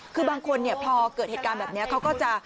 คือบางคนเนี่ยพอเกิดเหตุการณ์แบบนี้เขาก็จะ